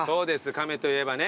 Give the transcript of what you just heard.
亀といえばね。